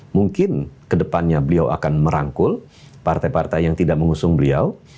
mungkin kedepannya beliau akan merangkul partai partai yang tidak mengusung beliau